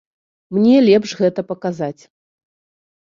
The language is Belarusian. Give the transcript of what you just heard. Мне лепш гэта паказаць.